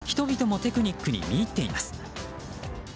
人々もテクニックに見入っています。